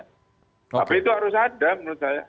tapi itu harus ada menurut saya